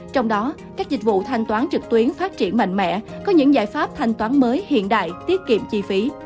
trong đó các dịch vụ thanh toán trực tuyến phát triển mạnh mẽ có những giải pháp thanh toán mới hiện đại tiết kiệm chi phí